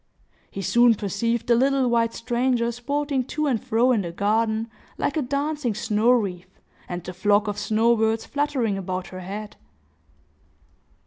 He soon perceived the little white stranger sporting to and fro in the garden, like a dancing snow wreath, and the flock of snow birds fluttering about her head.